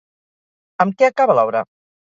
Amb què acaba l'obra?